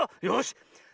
よし。